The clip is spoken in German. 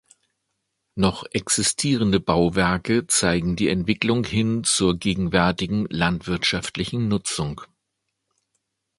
Noch existierende Bauwerke zeigen die Entwicklung hin zur gegenwärtigen landwirtschaftlichen Nutzung.